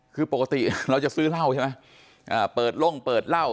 คือปกติเราจะซื้อเหล้าใช่ไหมเปิดโล่งเปิดเหล้า